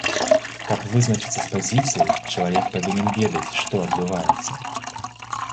Каб вызначыцца з пазіцыяй, чалавек павінен ведаць, што адбываецца.